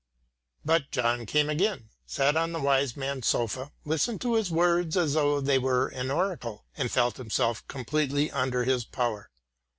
But John came again, sat on the wise man's sofa, listened to his words as though they were an oracle, and felt himself completely under his power.